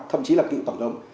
thậm chí là cựu tổng đồng